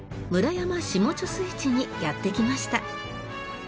山下貯水池にやって来ました。